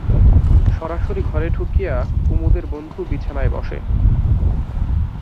সরাসরি ঘরে ঢুকিয়া কুমুদের বন্ধু বিছানায় বসে।